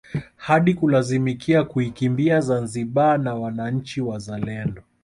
Hadi kulazimika kuikimbia Zanzibar na wananchi wazalendo